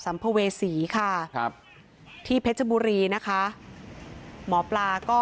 ภเวษีค่ะครับที่เพชรบุรีนะคะหมอปลาก็